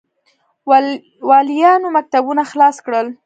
والیانو مکتوبونه خلاص کړل.